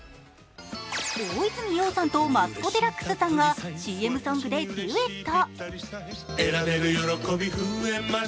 大泉洋さんとマツコ・デラックスさんがＣＭソングでデュエット。